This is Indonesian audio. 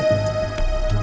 terima kasih pak chandra